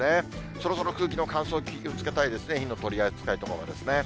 そろそろ空気の乾燥、気をつけたいですね、火の取り扱いとかもですね。